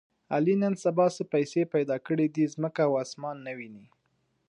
علي نن سبا څه پیسې پیدا کړې دي، ځمکه او اسمان نه ویني.